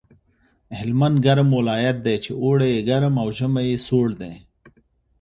هلمند ګرم ولایت دی چې اوړی یې ګرم او ژمی یې سوړ دی